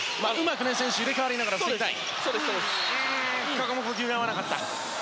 ここも呼吸が合わなかった。